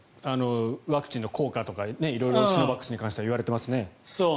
ワクチンの効果とか色々シノバックスに関しては言われていますね。